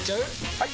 ・はい！